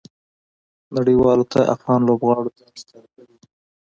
نړۍوالو ته افغان لوبغاړو ځان ښکاره کړى دئ.